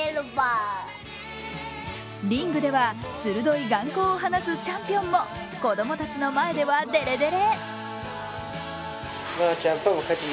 リングでは鋭い眼光を放つチャンピオンも子供たちの前ではデレデレ。